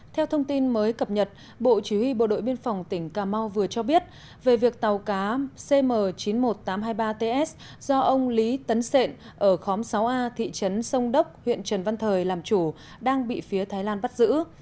theo thông tin mới cập nhật bộ chỉ huy bộ đội biên phòng tỉnh cà mau vừa cho biết về việc tàu cá cm chín mươi một nghìn tám trăm hai mươi ba ts do ông lý tấn sện ở khóm sáu a thị trấn sông đốc huyện trần văn thời làm chủ đang bị phía thái lan bắt giữ